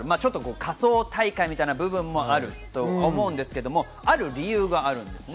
仮装大会みたいな部分もあると思うんですけれど、ある理由があるんですよね。